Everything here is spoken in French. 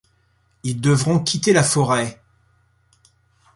Ils devront quitter la Forêt.